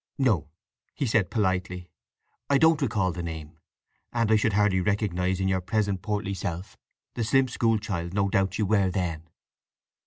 "No," he said politely, "I don't recall the name. And I should hardly recognize in your present portly self the slim school child no doubt you were then."